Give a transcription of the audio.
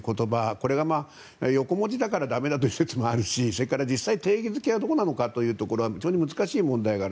これが横文字だから駄目だという説もあるしそれから実際、定義付けはどうなのかというのは難しい問題がある。